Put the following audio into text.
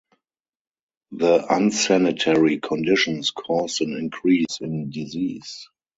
The unsanitary conditions caused an increase in disease.